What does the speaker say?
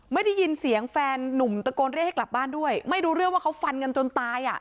ไม่ได้ยินเสียงแฟนนุ่มตะโกนเรียกให้กลับบ้านด้วยไม่รู้เรื่องว่าเขาฟันกันจนตายอ่ะ